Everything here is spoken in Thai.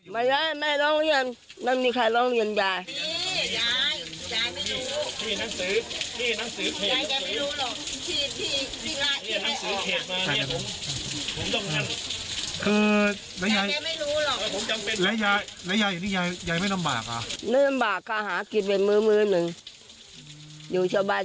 มาอยากให้แม่ร่องเรียนไม่มีใครร่องเรียนยาย